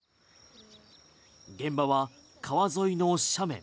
現場は川沿いの斜面。